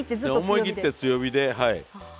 思い切って強火ではい。